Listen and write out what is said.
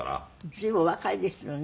随分お若いですよね。